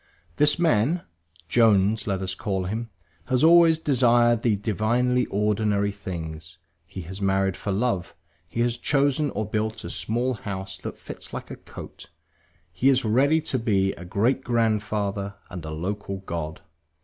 This man (Jones let us call him) has always desired the divinely ordinary things; he has married for love, he has chosen or built a small house that fits like a coat; he is ready to be a great grandfather and a local god.